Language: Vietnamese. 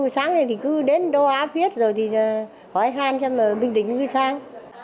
sáng này thì cứ đến đô áp viết rồi thì hỏi hàn cho mình bình tĩnh như sáng